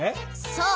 そう！